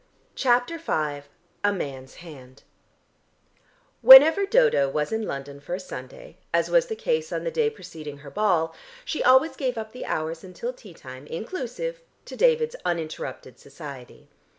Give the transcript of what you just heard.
CHAPTER V A MAN'S HAND Whenever Dodo was in London for a Sunday, as was the case on the day preceding her ball, she always gave up the hours until teatime, inclusive, to David's uninterrupted society.